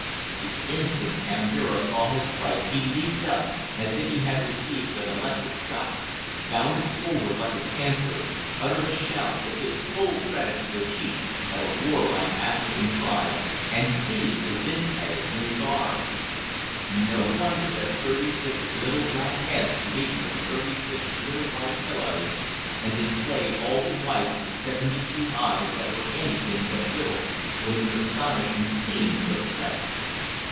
The instant Kambira saw his wife he leaped up as if he had received an electric shock, bounded forward like a panther, uttered a shout that did full credit to the chief of a warlike African tribe, and seized Azinte in his arms. No wonder that thirty six little black heads leaped from thirty six little white pillows, and displayed all the whites of seventy two eyes that were anything but little, when this astonishing scene took place!